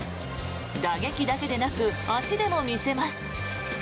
打撃だけでなく足でも見せます。